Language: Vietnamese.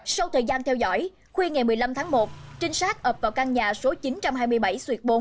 sau thời gian theo dõi khuya ngày một mươi năm tháng một trinh sát ập vào căn nhà số chín trăm hai mươi bảy xuyệt bốn